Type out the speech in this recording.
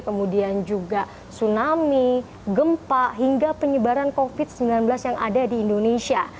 kemudian juga tsunami gempa hingga penyebaran covid sembilan belas yang ada di indonesia